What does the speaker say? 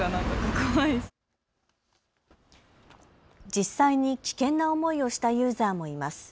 実際に危険な思いをしたユーザーもいます。